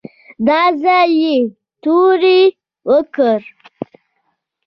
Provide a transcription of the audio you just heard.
دا ځل یې توره وکړه.